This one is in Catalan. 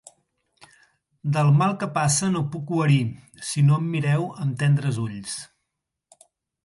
Del mal que passe no puc guarir, si no em mireu amb tendres ulls.